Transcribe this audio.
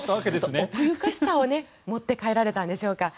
奥ゆかしさを持って帰られたんでしょうか。